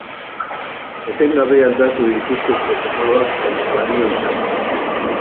Etengabe aldatu dituzte protokoloak, baina balio izan du.